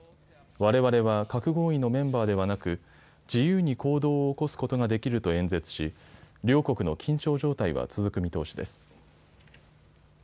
われわれは核合意のメンバーではなく自由に行動を起こすことができると演説し両国の緊張状態は続く見通しです。